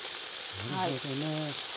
なるほどね。